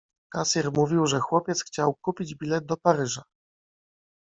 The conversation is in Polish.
Kasjer mówił, że chłopiec chciał kupić bilet do Paryża.